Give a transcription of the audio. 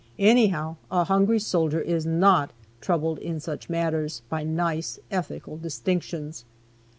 Anyhow, a hungry soldier is not troubled, in such matters, by nice ethical distinctions.